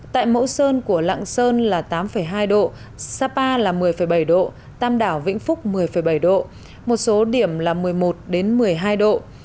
tại mẫu sơn của lạng sơn là tám hai độ sapa là một mươi bảy độ tam đảo vĩnh phúc một mươi bảy độ một số điểm là một mươi một một mươi hai độ